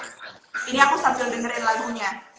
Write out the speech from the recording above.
ini aku sambil dengerin lagunya